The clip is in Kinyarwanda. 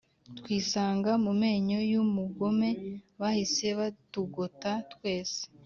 twisanga mumenyo y’umugome bahise batugota twese